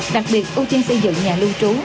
đặc biệt ưu tiên xây dựng nhà lưu trú